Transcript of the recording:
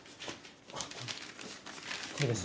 あこれです。